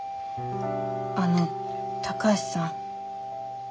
あの高橋さん。